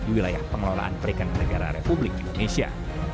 wilayah pengelolaan perikanan negara republik indonesia